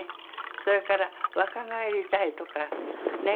それから若返りたいとかね